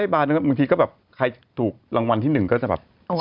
บางทีก็แบบใครถูกรางวัลที่๑ก็จะแบบ